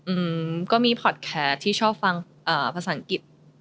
อืมก็มีพอดแคสที่ชอบฟังอ่าภาษาอังกฤษ